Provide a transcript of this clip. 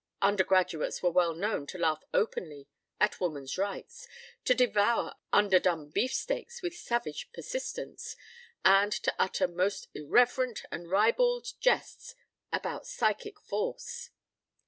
Undergraduates were well known to laugh openly at woman's rights, to devour underdone beefsteaks with savage persistence, and to utter most irreverent and ribald jests about psychic force.